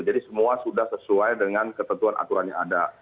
jadi semua sudah sesuai dengan ketentuan aturan yang ada